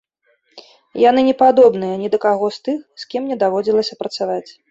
Яны не падобныя ні да каго з тых, з кім мне даводзілася працаваць.